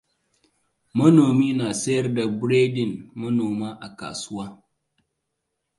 Manomi na sayar da biredin manoma a kasuwa.